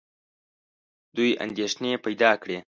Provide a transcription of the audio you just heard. دوی اندېښنې پیدا کړې.